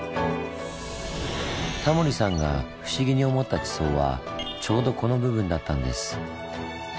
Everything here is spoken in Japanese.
タモリさんが不思議に思った地層はちょうどこの部分だったんです。